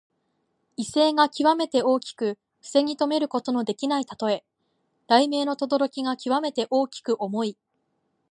威勢がきわめて大きく防ぎとめることのできないたとえ。雷鳴のとどろきがきわめて大きく重い。